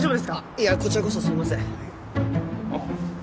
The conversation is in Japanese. いやこちらこそすいませんあっ